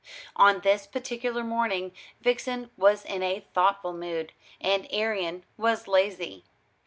On this particular morning Vixen was in a thoughtful mood, and Arion was lazy.